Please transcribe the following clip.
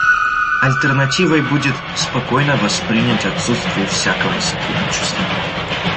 Альтернативой будет спокойно воспринять отсутствие всякого сотрудничества.